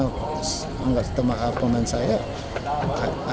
harus menguas teman peman saya